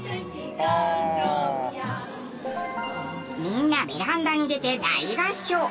みんなベランダに出て大合唱。